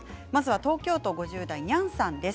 東京都５０代の方です。